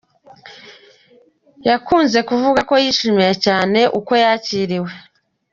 Yakunze kuvuga ko yishimiye cyane uko yakiriwe.